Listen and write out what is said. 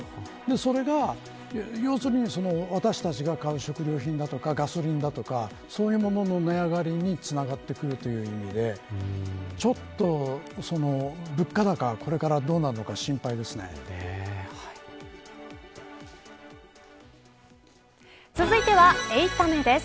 それが、要するに私たちが買う食料品だとかガソリンだとかそういうものの値上がりにつながってくるという意味でちょっと物価高、これから続いては８タメです。